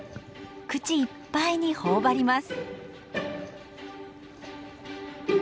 口いっぱいに頬張ります。